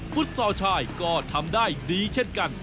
ฟุตซอลชายก็ทำได้ดีเช่นกัน